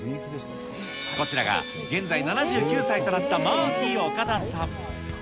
こちらが、現在７９歳となったマーフィー岡田さん。